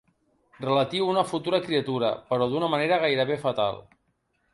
Relatiu a una futura criatura, però d'una manera gairebé fatal.